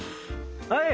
はい！